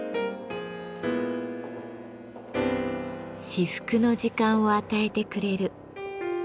至福の時間を与えてくれる。